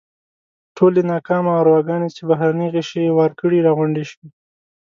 ټولې ناکامه ارواګانې چې بهرني غشي یې وار کړي راغونډې شوې.